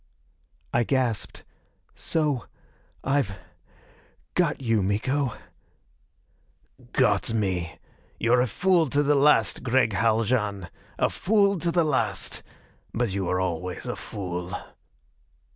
I gasped, "So I've got you, Miko " "Got me! You're a fool to the last, Gregg Haljan! A fool to the last! But you were always a fool."